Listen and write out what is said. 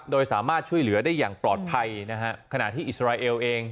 โดยสามารถช่วยเหลือได้อย่างปลอดภัยนะฮะขณะที่อิสราเอลเอง